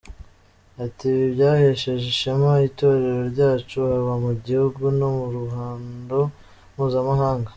Ati "Ibi byahesheje ishema Itorero ryacu haba mu gihugu no mu ruhando mpuzamahanga.